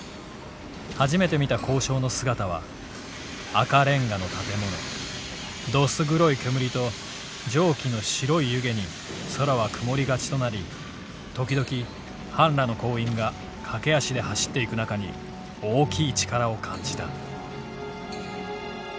初めて見た工廠の姿は赤煉瓦の建物どす黒いけむりと蒸気の白い湯気に空は曇り勝ちとなり時々半裸の工員が駆足で走っていく中に大きい力を感じた」。